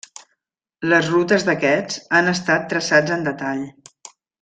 Les rutes d'aquests han estat traçats en detall.